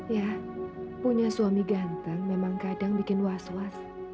ya punya suami ganteng memang kadang bikin was was